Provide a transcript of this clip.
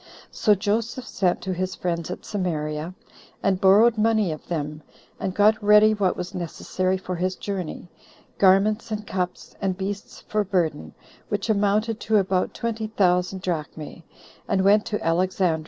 So Joseph sent to his friends at Samaria, and borrowed money of them, and got ready what was necessary for his journey, garments and cups, and beasts for burden, which amounted to about twenty thousand drachmae, and went to Alexandria.